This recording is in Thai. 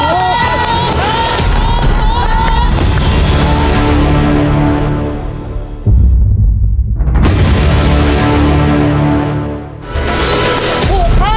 ถูกไม่ถูก